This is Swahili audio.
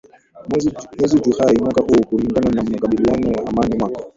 mwezi juai mwaka huu kulingana na makubaliano ya amani mwaka